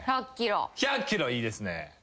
１００ｋｍいいですね。